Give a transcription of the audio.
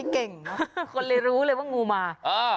คนเลยรู้ว่างูมา